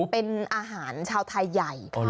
เป็นอาหารชาวไทยใหญ่